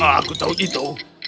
oh aku tahu itu